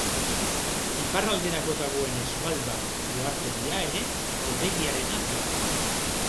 Iparralderago dagoen Svalbard uhartedia ere Norvegiarena da.